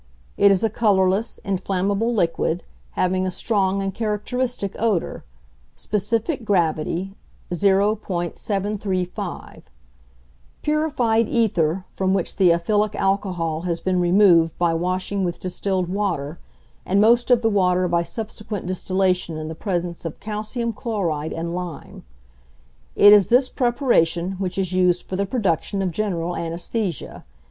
It is a colourless, inflammable liquid, having a strong and characteristic odour, specific gravity 0.735. =Purified ether= from which the ethylic alcohol has been removed by washing with distilled water, and most of the water by subsequent distillation in the presence of calcium chloride and lime. It is this preparation which is used for the production of general anæsthesia.